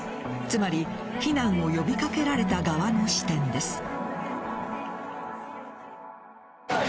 つまり、避難を呼びかけられた側の視点です。